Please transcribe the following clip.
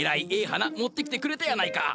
花持ってきてくれたやないか。